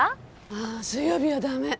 ああ水曜日は駄目。